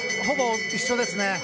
ほぼ一緒ですね。